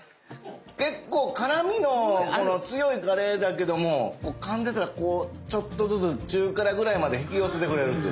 結構辛みの強いカレーだけどもかんでたらこうちょっとずつ中辛ぐらいまで引き寄せてくれるっていう。